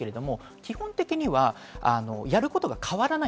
基本的にはやることが変わらない。